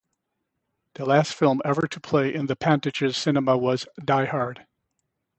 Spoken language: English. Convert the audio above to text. The last film ever to play in the Pantages Cinema was "Die Hard".